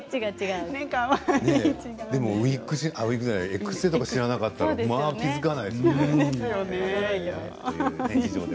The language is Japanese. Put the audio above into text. エクステとか知らなかったら気付かないですよね。